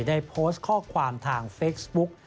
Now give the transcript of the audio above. ได้โพสต์ข้อความทางเฟซบุ๊ก